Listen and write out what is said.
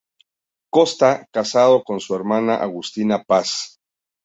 Costa, casado con su hermana Agustina Paz.